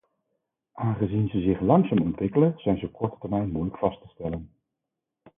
Aangezien ze zich langzaam ontwikkelen zijn ze op korte termijn moeilijk vast te stellen.